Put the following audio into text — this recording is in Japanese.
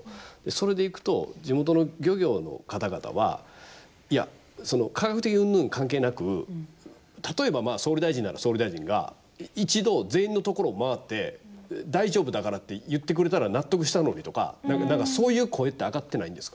それでいくと地元の漁業の方々はいや、科学的うんぬん関係なく例えば、総理大臣なら総理大臣が一度全員のところを回って大丈夫だからって言ってくれたら納得したのにとか、そういう声って上がってないんですか。